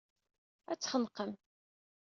Ad t-txenqem.